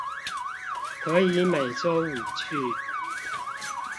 可以每週五去